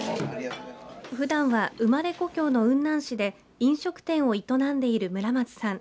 ふだんは生まれ故郷の雲南市で飲食店を営んでいる村松さん。